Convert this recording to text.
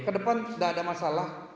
kedepan sudah ada masalah